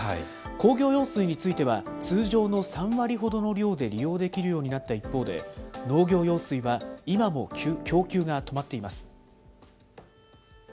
工業用水については通常の３割ほどの量で利用できるようになった一方で、農業用水は今も供給が止まっています。